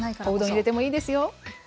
おうどん入れてもいいですよ。